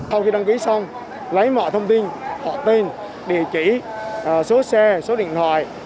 sau khi đăng ký xong lấy mọi thông tin họ tên địa chỉ số xe số điện thoại